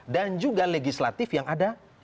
dan juga legislatif yang ada